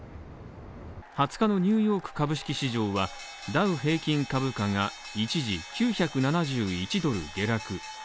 ２０日のニューヨーク株式市場はダウ平均株価が、一時、９７１ドル下落。